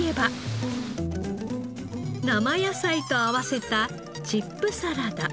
生野菜と合わせたチップサラダ。